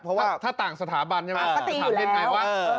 เพราะว่าถ้าต่างสถาบันใช่ไหมมันถามเป็นยังไงวะ